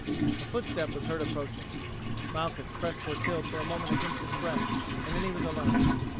A footstep was heard approaching. Malchus pressed Clotilde for a moment against his breast, and then he was alone.